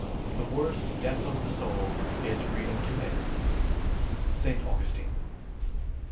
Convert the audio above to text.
The worst death of the soul is freedom to err_. ST. AUGUSTINE.